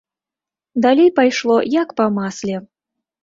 Далей пайшло як па масле.